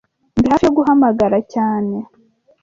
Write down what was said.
Ndi hafi yo guhamagara cyane.